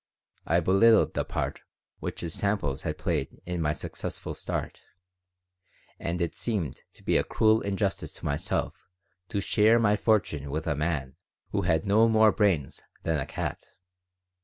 I belittled the part which his samples had played in my successful start, and it seemed to be a cruel injustice to myself to share my fortune with a man who had no more brains than a cat.